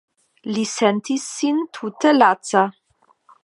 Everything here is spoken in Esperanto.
Li sentis sin tute laca.